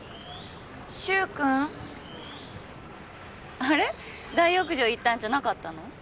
あれ大浴場行ったんじゃなかったの？